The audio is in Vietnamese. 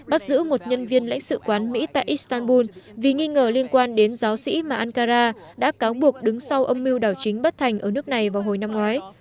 bắt giữ một nhân viên lãnh sự quán mỹ tại istanbul vì nghi ngờ liên quan đến giáo sĩ mà ankara đã cáo buộc đứng sau âm mưu đảo chính bất thành ở nước này vào hồi năm ngoái